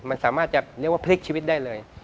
มันสามารถจะเรียกว่าพลิกชีวิตได้เลย